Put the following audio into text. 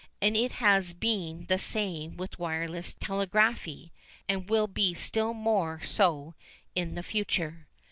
And it has been the same with wireless telegraphy, and will be still more so in the future.